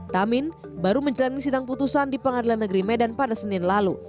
tamin baru menjalani sidang putusan di pengadilan negeri medan pada senin lalu